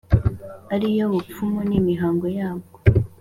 ari yo bupfumu n’imihango yabwo.